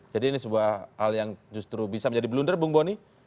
jadi ini sebuah hal yang justru bisa menjadi blunder bung boni